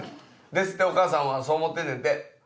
ですってお母さんはそう思ってんねんって。